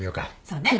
そうね